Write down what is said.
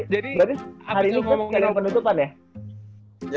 jadi berarti hari ini kan kira kira penutupan ya